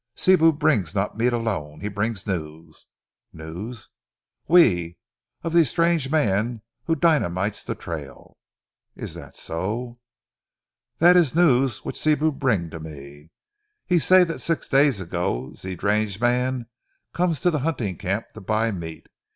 "Sibou brings not meat alone, he brings news." "News." "Oui! Of ze stranger mans who dynamite ze trail!" "Is that so?" "Dat is ze news which Sibou bring to me. He say dat six days ago, ze stranger mans come to ze hunting camp to buy meat.